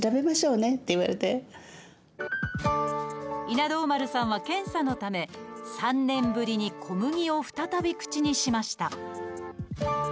稲童丸さんは検査のため３年ぶりに小麦を再び口にしました。